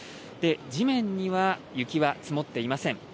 地面には雪は積もっていません。